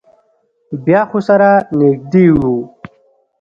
بیا خو سره نږدې یو.